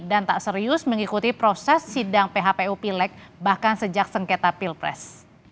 dan tak serius mengikuti proses sidang phpu pileg bahkan sejak sengketa pilpres